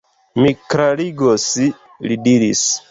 Mi klarigos, li diris.